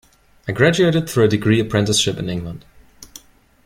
I graduated through a degree apprenticeship in England.